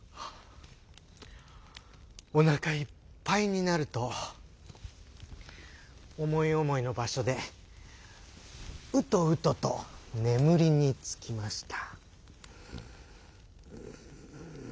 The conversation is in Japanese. おなかいっぱいになるとおもいおもいのばしょでウトウトとねむりにつきました。